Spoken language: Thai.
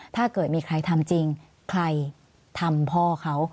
ถ้าเกิดมีใครทำจริงใครทำพ่อเขา